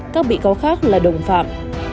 các bị cáo khác là đồng phạm